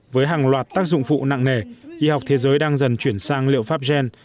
với hàng loạt tác dụng phụ nặng nề y học thế giới đang dần chuyển sang liệu pháp gen